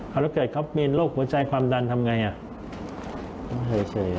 แล้วเกิดเขาเป็นโรคหัวใจความดันทำไงอ่ะ